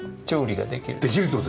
調理ができる。